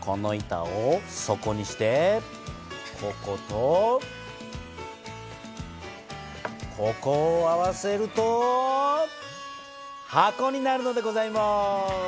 この板を底にしてこことここを合わせると箱になるのでございます！